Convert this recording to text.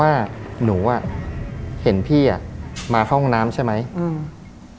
ว่าหนูอ่ะเห็นพี่อ่ะมาเข้าห้องน้ำใช่ไหมอืม